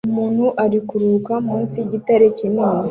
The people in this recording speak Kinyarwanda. Umuntu arikururuka munsi yigitare kinini